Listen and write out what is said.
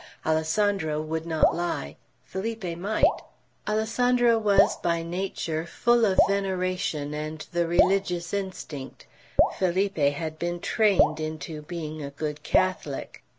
Alessandro would not lie; Felipe might. Alessandro was by nature full of veneration and the religious instinct; Felipe had been trained into being a good Catholic.